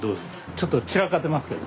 ちょっと散らかってますけど。